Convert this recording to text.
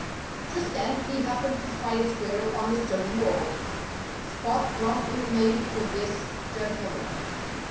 Just then he happened to spy a squirrel on a stone wall. Spot promptly made for this gentleman.